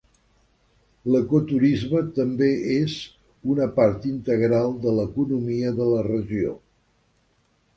L'ecoturisme també és una part integral de l'economia de la regió.